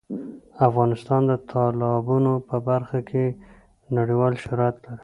افغانستان د تالابونه په برخه کې نړیوال شهرت لري.